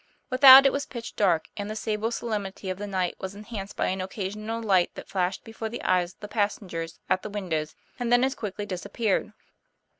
Without it was pitch dark, and the sable solemnity of the night was enhanced by an occasional light that flashed before the eyes of the passengers at the windows, and then as quickly disappeared.